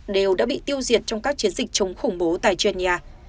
đều đã bị tiêu diệt trong các chiến dịch chống khủng bố tại chân nhà